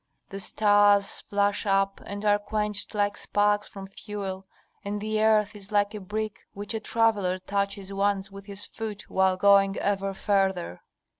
The stars flash up, and are quenched, like sparks from fuel, and the earth is like a brick which a traveller touches once with his foot while going ever farther.